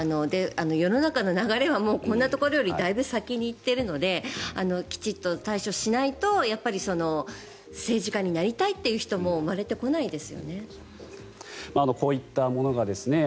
世の中の流れはこんなところよりもだいぶ先に行ってるのできちんと対処しないと政治家になりたいという人もお天気、片岡さんです。